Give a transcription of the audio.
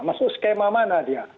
masuk skema mana dia